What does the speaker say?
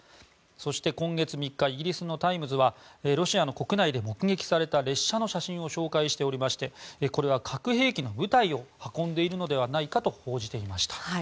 そして、今月３日イギリスのタイムズはロシアの国内で目撃された列車の写真を紹介していましてこれは核兵器の部隊を運んでいるのではないかと報じていました。